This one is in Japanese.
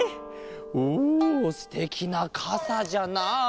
おすてきなかさじゃなあ。